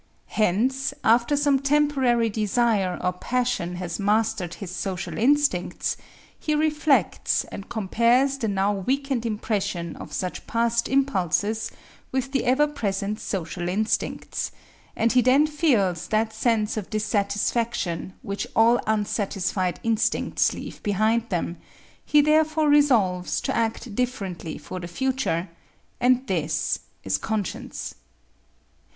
Hence after some temporary desire or passion has mastered his social instincts, he reflects and compares the now weakened impression of such past impulses with the ever present social instincts; and he then feels that sense of dissatisfaction which all unsatisfied instincts leave behind them, he therefore resolves to act differently for the future,—and this is conscience.